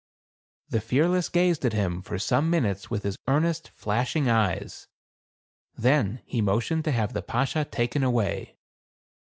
The Fearless gazed at him for some minutes with his earnest, flashing eyes ; then he motioned to have the Bashaw taken away.